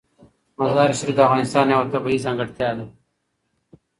مزارشریف د افغانستان یوه طبیعي ځانګړتیا ده.